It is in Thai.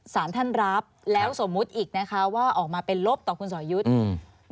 สารท่านรับแล้วสมมุติอีกนะคะว่าออกมาเป็นลบต่อคุณสอยุทธ์อืม